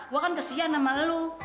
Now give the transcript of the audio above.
gua kan kesian sama lu